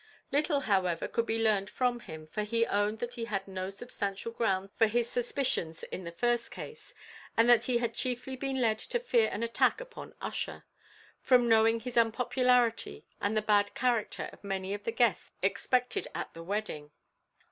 Little, however, could be learnt from him, for he owned that he had no substantial grounds for his suspicions in the first case, and that he had chiefly been led to fear an attack upon Ussher, from knowing his unpopularity and the bad character of many of the guests expected at the wedding.